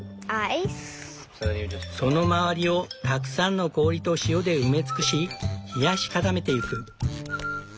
その周りをたくさんの氷と塩で埋め尽くし冷やし固めてゆく。